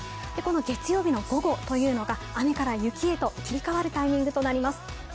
この月曜日の午後というのが雨から雪へと切り替わるタイミングとなります。